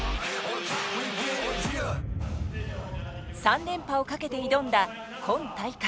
３連覇をかけて挑んだ今大会。